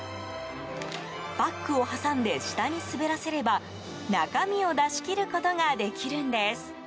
パックを挟んで下に滑らせれば中身を出し切ることができるんです。